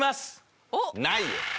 ないよ！